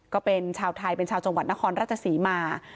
ก็เป็นชาวไทยเป็นชาวจังหวัดนครราชศรีมา